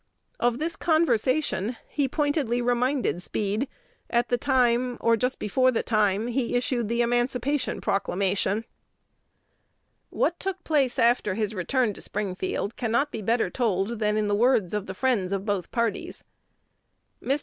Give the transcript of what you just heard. Of this conversation he pointedly reminded Speed at the time, or just before the time, he issued the Emancipation Proclamation. What took place after his return to Springfield cannot be better told than in the words of the friends of both parties. "Mr.